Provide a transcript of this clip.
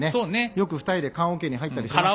よく２人で棺おけに入ったりしてました。